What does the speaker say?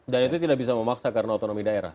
dan itu tidak bisa memaksa karena otonomi daerah